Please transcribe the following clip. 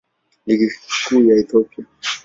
Ligi Kuu ya Ethiopia.